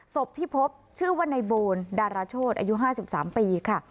ศพที่พบชื่อว่าในโบนดาราโชธอายุ๕๓ปีค่ะ